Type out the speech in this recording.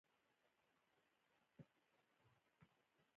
کابل د ټول افغانستان د امنیت په اړه اغېز لري.